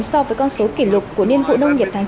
so với con số kỷ lục của niên vụ nông nghiệp tháng chín